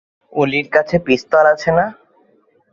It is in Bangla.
ওলির কাছে পিস্তল আছে না?